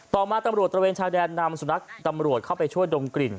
ต่อมาตำรวจตระเวนชายแดนนำสุนัขตำรวจเข้าไปช่วยดมกลิ่น